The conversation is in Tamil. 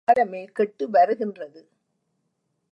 காலமே கெட்டு வருகின்றது.